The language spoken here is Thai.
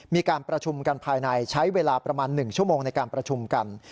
มีการประชุมกันภายในใช้เวลาประมาณ๑ชั่วโมงในการประชุมกัน